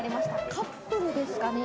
カップルですかね。